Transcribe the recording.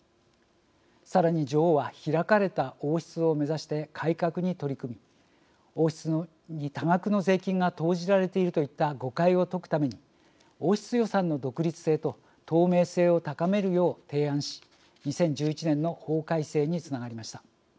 さらに女王は「開かれた王室」を目指して改革に取り組み王室に多額の税金が投じられているといった誤解を解くために王室予算の独立性と透明性を高めるよう提案し２０１１年の法改正につながりました。